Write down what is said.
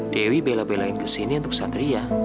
dewi bela belain kesini untuk satria